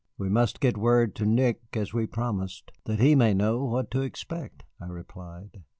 "We must get word to Nick as we promised, that he may know what to expect," I replied.